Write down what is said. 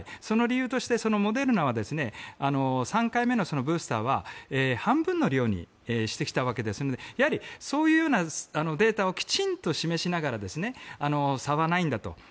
その理由としてモデルナは３回目のブースターは半分の量にしてきたわけですのでやはり、そういうデータをきちんと示しながら差はないんだと。